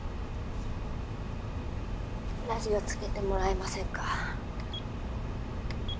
ラジオつけてもらえませんか？